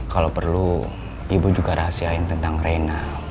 kalau perlu ibu juga rahasiain tentang reina